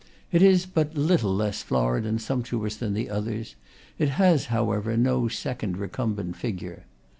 It is but little less florid and sump tuous than the others; it has, however, no second re cumbent figure.